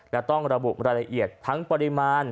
และต้องระบุรายละเอียดทั้งปริมาณ